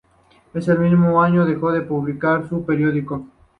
En el mismo año dejó de publicar su periódico.